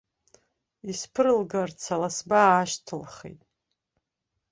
Исԥырылгарц аласба аашьҭылхит.